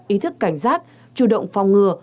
ý thức cảnh giác chủ động phòng ngừa